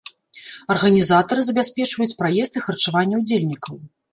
Арганізатары забяспечваюць праезд і харчаванне ўдзельнікаў.